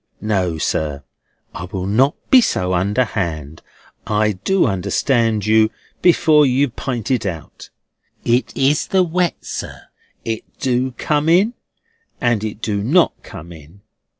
No, sir, I will not be so underhand. I do understand you before you pint it out. It is the wet, sir. It do come in, and it do not come in.